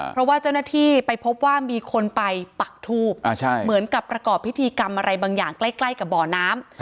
เพราะว่าเจ้าหน้าที่ไปพบว่ามีคนไปปักทูบเหมือนกับประกอบพิธีกรรมอะไรบางอย่างใกล้กับบ่อน้ำ